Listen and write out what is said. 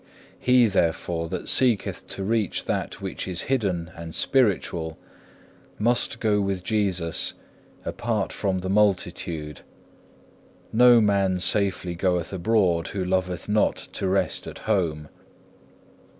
He, therefore, that seeketh to reach that which is hidden and spiritual, must go with Jesus "apart from the multitude." No man safely goeth abroad who loveth not to rest at home.